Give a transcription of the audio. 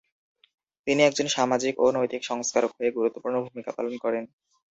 তিনি একজন সামাজিক ও নৈতিক সংস্কারক হয়ে গুরুত্বপূর্ণ ভূমিকা পালন করেন।